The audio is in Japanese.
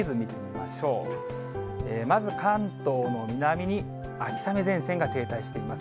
まず関東の南に秋雨前線が停滞しています。